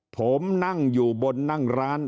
ผมนั่งอยู่บนนั่งร้าน